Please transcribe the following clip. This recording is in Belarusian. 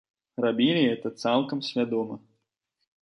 Рабілі гэта цалкам свядома.